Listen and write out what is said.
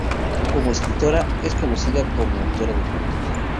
Como escritora, es conocida como autora de cuentos.